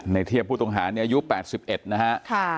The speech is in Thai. ในเทียบผู้ตรงหาอายุ๘๑นะฮะ